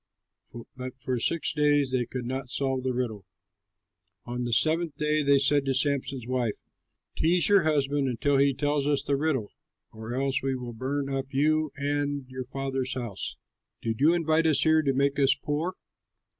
But for six days they could not solve the riddle. On the seventh day they said to Samson's wife, "Tease your husband until he tells us the riddle, or else we will burn up you and your father's house. Did you invite us here to make us poor?"